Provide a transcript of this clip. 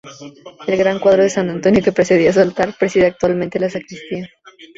El gran cuadro de San Antonio que presidía su altar, preside actualmente la Sacristía.